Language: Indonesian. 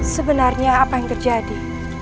sebenarnya apa yang terjadi